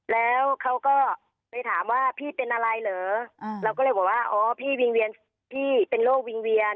แล้วเขาก็ไปถามว่าพี่เป็นอะไรเหรอเราก็เลยบอกว่าอ๋อพี่วิงเวียนพี่เป็นโรควิงเวียน